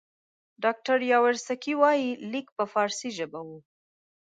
ډاکټر یاورسکي وایي لیک په فارسي ژبه وو.